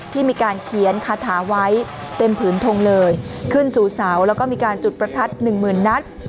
ที่มีการเขียนคาถาไว้เต็มผืนทงเลยขึ้นสู่เสาแล้วก็มีการจุดประทัดหนึ่งหมื่นนัด